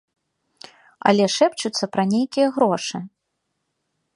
Але шэпчуцца пра нейкія грошы.